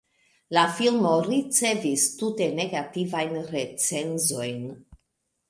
La filmo ricevis tute negativajn recenzojn.